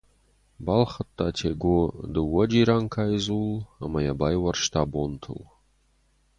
Балхӕдта Тего дыууӕ джиранкайы дзул ӕмӕ йӕ байуӕрста бонтыл.